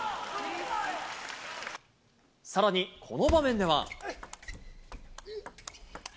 さらにこの場面では。